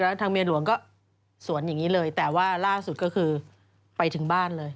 แล้วทางเมียหลวงก็สวนอย่างนี้เลยแต่ว่าล่าสุดก็คือไปถึงบ้านเลย